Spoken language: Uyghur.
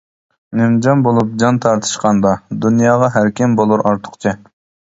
نىمجان بولۇپ جان تارتىشقاندا، دۇنياغا ھەركىم بولۇر ئارتۇقچە.